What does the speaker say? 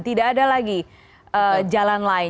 tidak ada lagi jalan lain